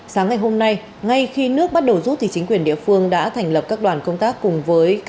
sáng ngày hôm nay ngay khi nước bắt đầu rút thì chính quyền địa phương đã thành lập các đoàn công tác cùng với